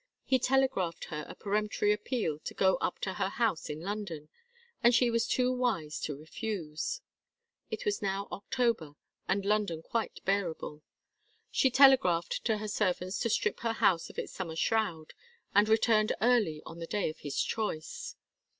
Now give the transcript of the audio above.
He telegraphed her a peremptory appeal to go up to her house in London, and she was too wise to refuse. It was now October and London quite bearable. She telegraphed to her servants to strip her house of its summer shroud, and returned early on the day of his choice.